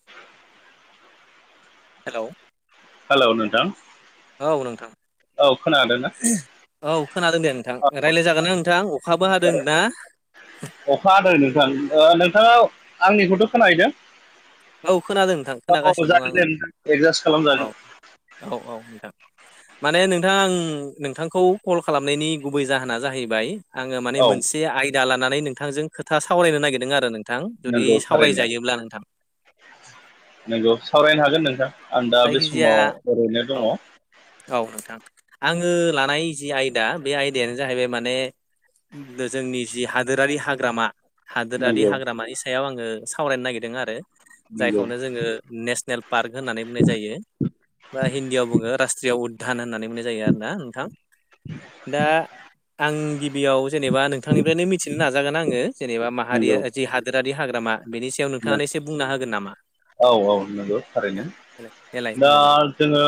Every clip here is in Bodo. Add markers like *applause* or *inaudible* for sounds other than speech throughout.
*unintelligible* हेल'? हेल' नोंथां? औ नोंथां औ खोनादों ना औ खोनादों दे नोंथां रायज्लाय जागोन ना नोंथां? अखाबो हादों ना। अखादै नोंथां नोंथांङा आंनिखौथ' खोनायदों? औ खोनादों नोंथां औ खोनागासिनो दं जागोन आङो दे नोंथां एडजास्ट खालामजागोन। औ औ औ नोंथां। माने नोंथांङा आं नोंथांखौ कल खालामनायनि गुबै जाहोना जाहैबाय - आंङो माने औ मोनसे आयदा लानानै नोंथांजों खोथा सावरायनो नागिरदों आरो नोंथां। नोंथां जुदि नंगौ थारैनो सावरायजायोब्ला नोंथां। नंगौ सावरायनो हागोन नोंथां आं दा बे जायखिजाया समाव ओरैनो औ दंङ। औ नोंथां आंङो लानाय जि आयदा बे आयदायानो जाहैबाय माने जोंनि जि हादोरारि हाग्रामा। हादोरारि नंगौ हाग्रामानि सायाव आंङो सावरायनो नागिरदों आरो नंगौ जायखौनो जोंङो नेसनेल पार्क होननानै बुंनाय जायो बा हिन्दीयाव बुंङो रास्त्रियाव उ्धान होननानै बुंनाय जायो। आरो ना नोंथां दा आं गिबियाव जेनेबा नोंथांनिफ्रायनो मिथिनो नाजागोन आंङो जेनेबा नंगौ माहारिया जि हादोरारि हाग्रामा बेनि सायाव नोंथांङा एसे बुंना होगोन नामा? औ औ नंगौ थारैनो देलाय दा। बुंलाय जोङो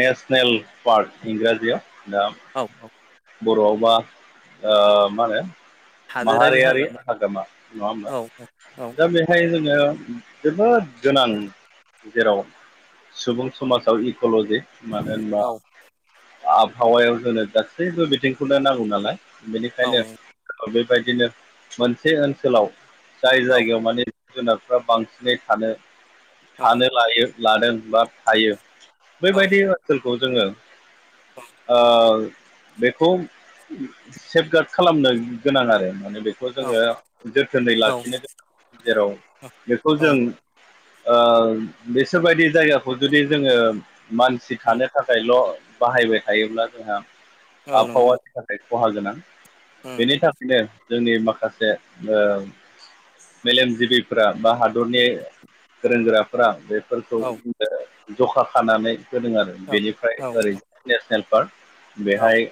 नेसनेल पार्क इंराजियाव दा। औ औ। बर'आवबा मा होनो माहारियारि हाग्रामा नंङा होमा औ औ दा बे नाथाय जोंङो जोबोद गोनां जेराव सुबुं समाजाव इक'ल'जि मानो होनबा आबहावायाव जोंनो गासैबो बिथिंखौनो नांगौ नालाय औ बेनिखायनो बेबायदिनो मोनसे ओनसोलाव जाय औ जायगायाव माने जिब जुनारफ्रा बांसिनै थानो थानो लायो। लादों बा थायो औ बैबायदि ओनसोलखौ जोङो ओ बेखौ सेफगार्ड खालामनो गोनां आरो माने बेख खौ औ जोङो जोथोनै लाखिनो गोनां जेराव बेखौ औ जों ओह बिसोरबायदि जायगाखौ जुदि जोङो मानसि थानो थाखायल' बाहायबाय थायोब्ला जोंहा औ नंगौ आबहावानि थाखाय खहा गोनां औ बेनि थाख बिनो जोंनि माखासे ओ मेलेमजिबिफ्रा बा हादरनि गोरों गोराफ्रा बे फोरखौ औ बि ओ जखा खानानै होदों आरो बेनिफ्राय औ ओरै नेसनेल पार्क औ बेहाय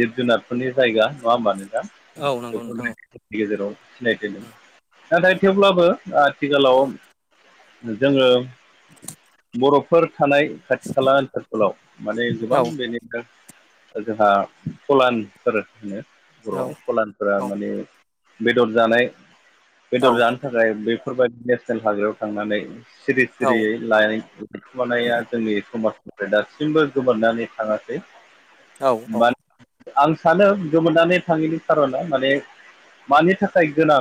जिब जुनारफोरनि जायगा नङा होमबा नोंथां औ नोंगौ नोंथां औ नि गेजेराव सिनायथिमोन नाथाय थेवब्लाबो आथिखालाव औ जोङो बर'फोर थानाय खाथि खाला ओनसोलफोलाव माने गोबां बेनि जोंहा फलानफोर होनो औ बर'आव औ फलान फोरा औ माने बेदर जानाय औ बेदर जान थाखाय बेफोरबायदि नेसनेल *unintelligible* थांनानै सिरि सिरियै *unintelligible* नाया जोंनि समाजनिफ्राय दासिमबो गोमोरनानै थाङासै औ औ बान आं सानो गोमोनायनै थाङैनि खारना माने मानि थाखाय गोनां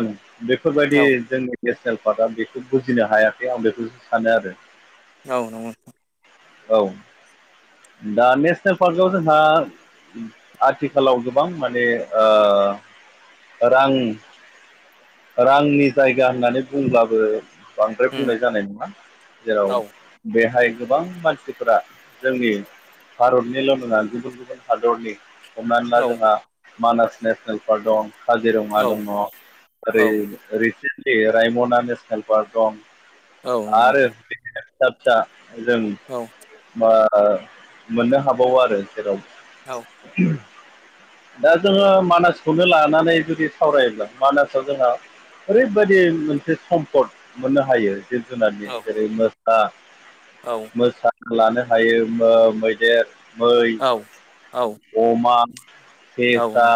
बेफोरबायदि औ जोंनि नेसनेल पार्कआ बेखौ बुजिनो हायाखै आं बेखौसो सानो आरो औ *unintelligible* औ दा नेसनेल पार्कआव जोंहा आथिखालाव गोबां माने ओ रां रांनि जायगा होननानै बुंब्लाबो बांद्राय उम बुंनाय जानाय नङा औ जेराव बेहाय गोबां मानसिफोरा जोंनि भारतनिल' नङा गुबुन गुबुन हादरनि हमनानै ला औ जोंहा मानास नेसनेल पार्क दं काजिरङा औ दङ ओरै औ रिसेनलि रायमना नेसनेल पार्क दं औ नंगौ आरो *unintelligible* जों औ मो मोननो हाबावो आरो जेराव औ *unintelligible* दा जोङो मानासखौनो लानानै जुदि सावरायोब्ला मानासआ जोंहा ओरैबायदि मोनसे सम्पद मोननो हायो जिब जुनारनि जेरै मोसा औ मोसा लानो हायो मो मैदेर मै आव आव अमा फेसा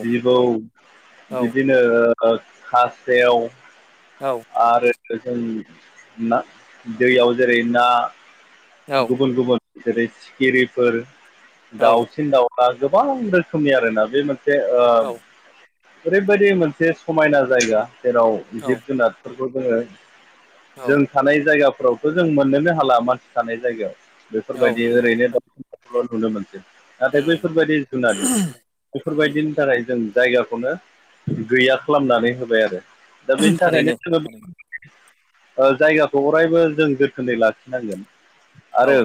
जिबौ बिदि नो ओ खासेव औ आरो जों ना दैयाव जेरै ना गुबुन गुबुन जेरै सिखिरिफोर औ दाउसिन दाउ आ गोबां रोखोमनि आरोना बे मोनसे ओ ओरैबायदि मोनसे समायना जायगा जेराव औ जिब जुनारफोरखौ जोङो औ जों थानाय जायगाफोरावथ' जों मोननोनो हाला मानसि थानाय जायगायाव औ बेफोरबायदि नंगौ ओरैनो *unintelligible* नुनो मोनसै नाथाय उम बैफोरबायदि जुनाद उम बेफोरबायदिनि थाखाय जों जायगाखौनो गैया खालामनानै होबाय आरो दा बेनि थारैनो थाखायनो जोङो थारैनो जायगाखौ अरायबो जों जोथोनै लाखिनांगोन औ आरो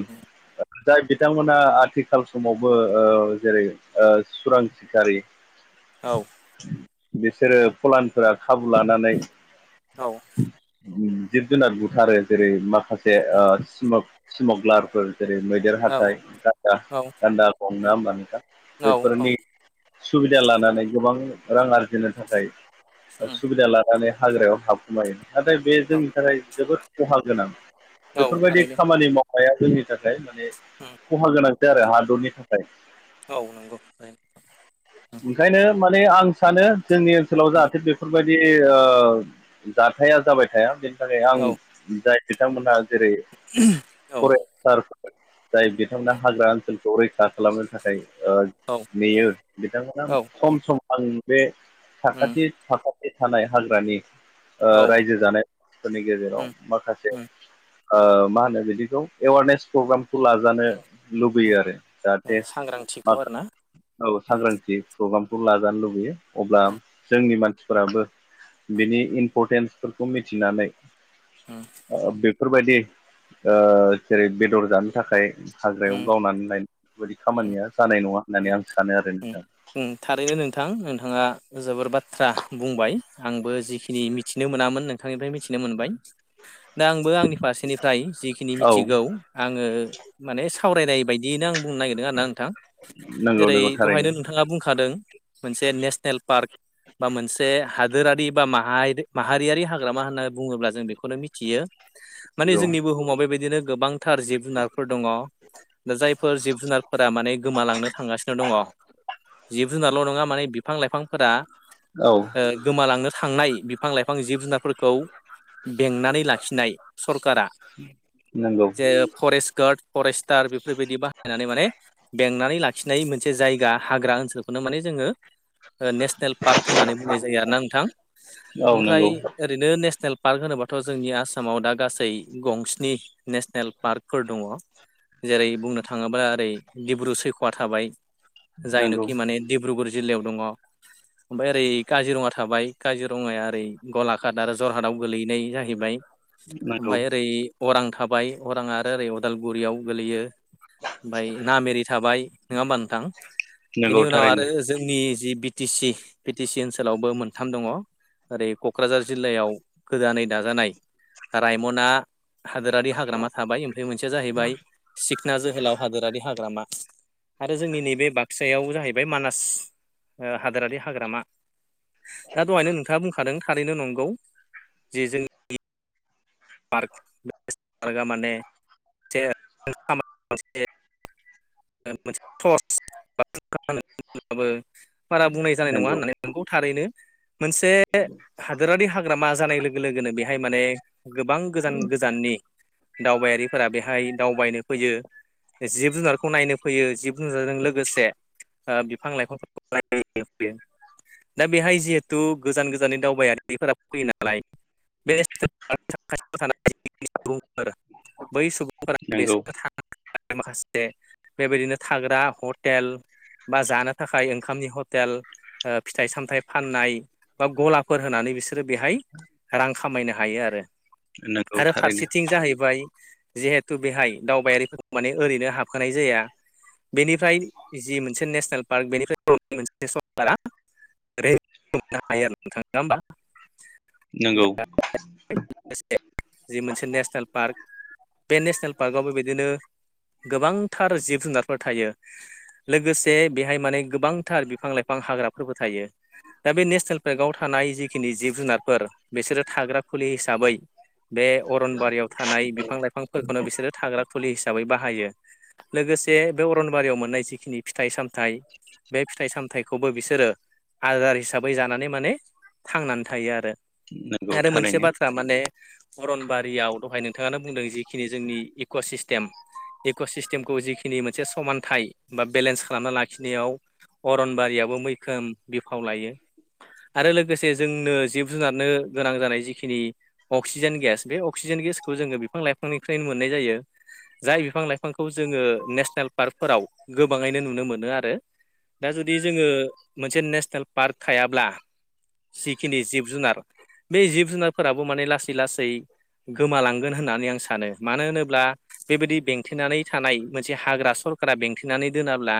जाय बिथांमोना आथिखाल समावबो ओ जेरै- ओ सुरां सिखारि औ बिसोरो फलानफोरा खाबु लानानै औ जिब जुनार बुथारो जेरै- माखासे उम ओ स्मक स्मकलारफोर जेरै- मैदेर औ हाथाइ गान्दा औ उम औ गान्दा गं नङा होमबा नोंथां औ बेफोरनि सुबिदा लानानै गोबां रां आर होनो थाखाय उम सुबिदा लानानै हाग्रायाव हाब *unintelligible* नाथाय बे जोंनि औ थाखाय जोबोद खहा गोनां औ बेफोरबायदि थारैनो *unintelligible* मावनाया जोंनि थाखाय माने उम खहा गोनांसो आरो हादरनि थाखाय औ नंगौ थारैनो ओंखायनो माने आं सानो जोंनि ओनसोलाव जाहाथे बेफोरबाय बे ओ जाथाया जाबाय थाया बेनि थाखाय आं औ औ जाय बिथांमोनहा जेरै- उम परेस्टारफोर जाय बिथांमोनहा हाग्रा ओनसोल खौ रैखा खालामनो थाखाय ओ औ नेयो बिथांमोना उम खम सम आं बे उम साखाथि साखाथि थानाय हाग्रानि ओ औ रायजो जानाय फोरनि गेजेराव उम माखासे उम ओ मा होनो बिदिखौ एवारनेस प्रग्रामखौ ला जानो लुबैयो आरो जाहाथे सांग्रांथिखौ आरोना *unintelligible* औ सांग्रांथि प्रग्रामखौ लाजानो लुबैयो अब्ला उम जोंनि मानसिफोराबो बिनि इम्परटेन्सफोरखौ मिथिनानै ओ बेफोरबायदि ओ जेरै- बेदर जानो थाखाय हाग्रायाव उम गावनानै लायनो बेफोरबायदि उम खामानिया जानाय नङा होननानै आं सानो आरो उम नोंथां। उम थारैनो नोंथां नोंथाङा जोबोर बाथ्रा बुंबाय आंबो जिखिनि मिथिनो मोनामोन नों थांनिफ्राय मिथिनो मोनबाय दा आंबो आंनि फारसेनिफ्राय जिखिनि औ मिथिगौ आङो माने सावरायनाय बायदियैनो आं बुंनो नागिरदों आरो ना नोंथां नंगौ नंगौ जेरै- थारैनो दहायनो नोंथाङा बुंखादों मोनसे नेसनेल पार्क बा मोनसे हादोरारि बा माहा-माहारियारि हाग्रामा होननानै बुङोब्ला जों बेखौनो मिथियो माने नंगौ जोंनि बुहुमाव बेबायदिनो गोबां थार जिब जुनारफोर दङ दा जायफोर जिब जुनारफोरा माने गोमालांनो थांगा सिनो दङ जिब जुनारल' नङा माने बि फां लाइफांफोरा औ ओ गोमालांनो थांनाय बिफां लाइफां जिब जुनारफोरखौ बेंनानै लाखिनाय सरकारा नंगौ जे फरेस्ट गार्ड फरेस्टार बेफोरबायदि बाहायनानै माने बेंनानै लाखिनाय मोनसे जायगा हाग्रा ओनसोलखौनो माने जोङो ओ नेसनेल पार्क होननानै बुंनाय जायो आरो ना नोंथां औ ओमफ्राय नंगौ ओरैनो नेसनेल पार्क होनोबाथ' जोंनि आसामाव दा गासै गंस्नि नेसनेल पार्कफोर दङ जेरै- बुंनो थाङोबा ओरै- डिब्रु सयखया थाबाय नंगौ जायनोखि माने डिब्रुगर जिल्लायाव दङ। ओमफ्राय ओरै काजिरङा थाबाय काजिरङाया ओरै गलाघाट आरो जरहाटआव गोलैनाय जाहैबाय। नंगौ ओमफाय ओरै अरां थाबाय अरां आरो ओरै अदालगुरियाव गोलैयो। ओमफाय नामेरि थाबाय नङा होमबा नों थां नंगौ बेनि उनाव थारैनो आरो जोंनि G B T C B P T C ओनसोलावबो मोनथाम दङ। ओरै क'क्राझार जिल्लायाव गोदानै दाजानाय रायमना हादोरारि हाग्रामा थाबाय ओमफ्राय मोनसेया जाहैबाय सिखना जोहोलाव हादोरारि हा ग्रामा आरो जोंनि नैबे बाक्सायाव जाहैबाय मानास ओ हादोरारि हाग्रामा दा दहायनो नोंथाङा बुंखादों थारैनो नंगौ जे जों पार्क *unintelligible* बारा बुंनाय जानाय नङा होननानै नंगौ थारैनो मोनसे हादोरारि हाग्रामा जानाय लोगो लोगो लोगोनो बेहाय माने गोबां गोजान गोजाननि दावबायारिफोरा बेहाय दावबायनो फैयो जिब जुनार खौ नायनो फैयो जिब जुनाराज लोगोसे बिफां लाइफांफोरखौ नायनो फैयो दा बेहाय जिहेथु गोजान -गोजाननि दावबायारिफोरा फैयो नालाय *unintelligible* सुबुंफोर बै सुबुंफोरा नंगौ बेसोर माखासे बेबायदिनो थाग्रा हटेल बा जानो थाखाय ओंखामनि हटेल ओ फिथाइ सामथाइ फाननाय बा गलाफोर होनानै बिसोर बिसोरो बेहाय रां खामायनो हायो आरो नंगौ आरो थारैनो फारसेथिं जाहैबाय जिहेथु बेहाय दावबायारिफोरखौ माने ओरैनो हाबखानाय जाया बेनिफ्राय जि मोनसे नेसनेल पार्क बेनिफ्राय मोनसे सरखारा ओरैनो हायो आरो नोंथां नड़ा होमबा नंगौ *unintelligible* लोगोसे जि मोनसे नेसनेल पार्क बे नेसनेल पार्कआवबो बिदिनो गोबांथार जिब जुनारफोर थायो लोगोसे बेहाय माने गोबांथार बिफां लाइफां हाग्राफोरबो थायो दा बे नेसनेल पार्कआव थानाय जिखिनि जिब जुनारफोर बिसोरो थाग्रा खुलि हिसाबै बे अरनबारियाव थानाय बिफां लाइफांफोरखौनो बिसोरो थाग्रा खुलि हिसाबै बाहायो लोगोसे बे अरनबारियाव मोननाय जिखिनि फिथाइ सामथाइ बे फिथाइ सामथायाइखौबो बिसोरो आरो आदार हिसाबै जानानै माने थांनानै थायो आरो नंगौ आरो मोनसे थारैनो बाथ फोरा माने अरनबारियाव दहाय नोंथाङानो बुंदों जिखिनि जोंनि इक' सिस्टेम इक' सिस्टेमखौ जिखिनि मोनसे समानथाइ बा बेलेन्स खालामना लाखिनायाव अरनबारियाबो मैखोम बिफाव लायो आरो लोगोसे जोंनो जिब जुनारनो गोनां जानाय जिखिनि अक्सिजेन गेस बे अक्सिजेन गेसखौ जोङो बिफां लाइफांनिफ्रायनो मोननाय जायो जाय बिफां लाइफांखौ खौ जोङो नेसनेल पार्कफोराव गोबाङैनो नुनो मोनो आरो दा जुदि जोङो मोनसे नेसनेल पार्क थायाब्ला जिखिनि जिब जुनार बे जिब जुनारफोराबो माने लासै लासै गोमालांगोन होननानै आं सानो मानो होनोब्ला बेबायदि बेंथेनानै थानाय मोनसे हाग्रा सरकारा बेंथेनानै दोनाब्ला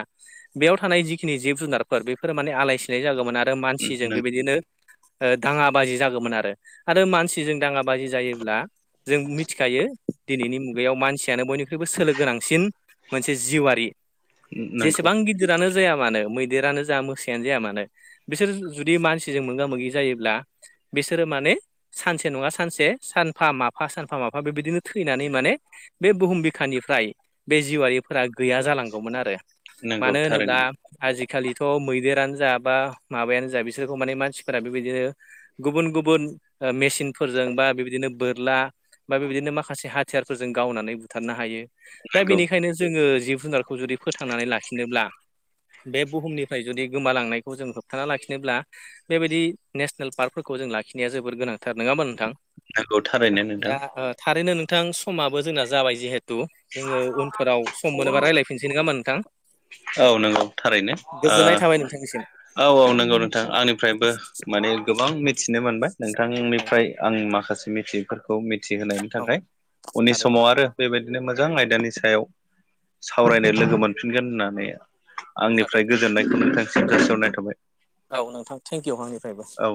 बेयाव थानाय जिखिनि जिब जुनार फोर बेफोर माने आलाय सिलाय जागोमोन आरो मानसिजों बेबायदिनो ओ दाङा बाजि जागौमोन आरो आरो मानसिजों दाङा बाजि जायोब्ला जों मिथिखायो दिनैनि मुगायाव मानसियानो बयनि जोबोद सोलो गोनांसिन मोनसे जिवारि नंगौ जेसेबां आं गिदिरानो जाया मानो मैदेरानो जा मोसायानो जाया मानो बिसोर जुदि मानसिजों मोगा मोगि जायोब्ला बिसोरो माने सानसे नङा सानसे सानफा माफा सानफा माफा बेबायदिनो थैनानै माने बे बुहुम बिखानिफ्राय बे जिवारि फोरा गैया जालांगौमोन आरो नंगौ मानो होनोब्ला थारैनो आजिखालिथ' मैदेरानो जा बा माबायानो जा बिसोरखौ माने मानसिफोरा बेबायदिनो गुबुन गुबुन ओ मेसिनफोरजों बा बेबायदिनो बोरला बा बेबायदिनो माखासे हाथियारफोरजों गावनानै बुथारनो हायो दा नंगौ बेनिखायनो जोङो जिब जुनारखौ खौ जुदि फोथांनानै लाखिनोब्ला बे बुहुमनिफ्राय जुदि गोमालांनायखौ जों होबथाना लाखिनोब्ला बेबायदि नेसनेल पार्कफोरखौ जों लाखिनाया जोबोद गोनां थार नङा होमबाथ नोंथां नंगौ थारैनो नोंथां दा ओ थारैनो नोंथां समाबो जोंना जाबाय जिहेथु। जोङो उनफोराव सम मोनोबा रायज्लायफिनसै नङा होमबा नोंथां, औ नंगौ थारैनो गोजोननाय थाबाय नोंथांनिसिम ओ औ औ नंगौ नोंथां आंनिफ्रायबो, माने औ गोबां मिथिनो मोनबाय औ नोंथांनिफ्राय आं माखासे मिथि फोरखौ मिथिहोनायनि औ थाखाय उननि थारैनो समाव आरो बेबायदिनो मोन मोजां आयदानि सायाव सावरायनो लोगो मोनफिनगोन होननानै, जागोन आंनिफ्राय गोजोननायखौ नोंथांसिम जासिहरनाय थाबाय, औ नोंथां थेंक इउ आंनिफ्रायबो, औ